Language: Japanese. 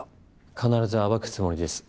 必ず暴くつもりです